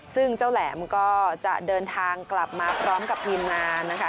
ซึ่งเจ้าแหลมก็จะเดินทางกลับมาพร้อมกับทีมงานนะคะ